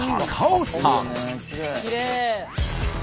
きれい！